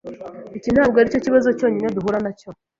Iki ntabwo aricyo kibazo cyonyine duhura nacyo.